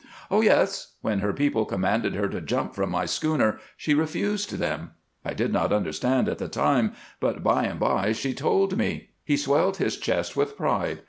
"Oh yes! When her people commanded her to jump from my schooner she refused them. I did not understand at the time, but by an' by she told me." He swelled his chest with pride.